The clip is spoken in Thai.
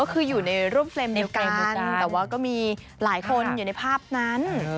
ก็คืออยู่ในร่วมเฟรมเดียวกันแต่ว่าก็มีหลายคนอยู่ในภาพนั้น